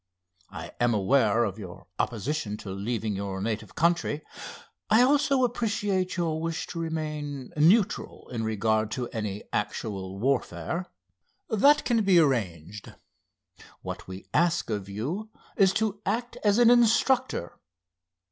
I am aware of your opposition to leaving your native country. I also appreciate your wish to remain neutral in regard to any actual warfare. That can be arranged. What we ask of you is to act as an instructor.